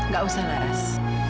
gak usah raz